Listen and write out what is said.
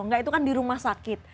enggak itu kan di rumah sakit